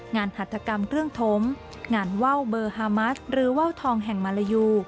หัตถกรรมเครื่องถมงานว่าวเบอร์ฮามัสหรือว่าวทองแห่งมารยู